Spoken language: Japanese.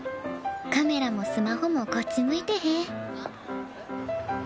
カメラもスマホもこっち向いてへん。